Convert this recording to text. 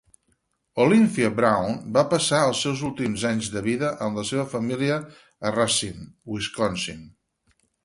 Olympia Brown va passar els seus últims anys de vida amb la seva família a Racine, Wisconsin.